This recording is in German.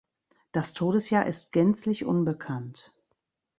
Das Todesjahr ist gänzlich unbekannt.